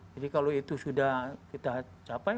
jadi kalau itu sudah kita capai